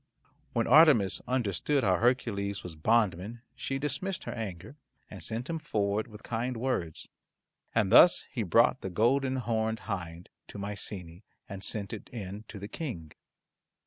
When Artemis understood how Hercules was bond man she dismissed her anger, and sent him forward with kind words, and thus he brought the golden horned hind to Mycenae and sent it in to the King.